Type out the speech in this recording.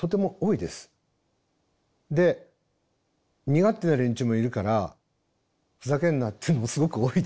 で身勝手な連中もいるから「ふざけんな」っていうのもすごく多いです。